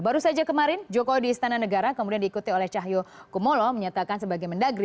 baru saja kemarin jokowi di istana negara kemudian diikuti oleh cahyo kumolo menyatakan sebagai mendagri